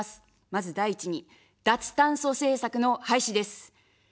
まず第１に、脱炭素政策の廃止です。